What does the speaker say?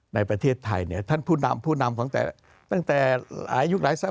ในประเทศไทยเนี่ยท่านผู้นำผู้นำของแต่ตั้งแต่หลายยุคหลายสมัย